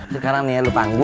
sekarang nih ya lu panggul